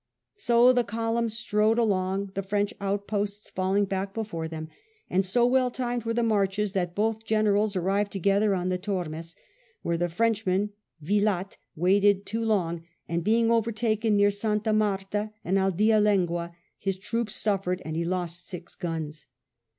So the columns strode along; the Fronch outposts falling back beforo them, and so well timed were the marches that both Generals arriyed together on the Tormes, where the Frenchman, Yilatte, waited too long, and being overtaken near Santa Marta and Aldea Lengua, his troops suffered and he lost six guns.